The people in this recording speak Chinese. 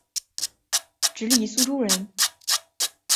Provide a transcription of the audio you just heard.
直隶苏州人。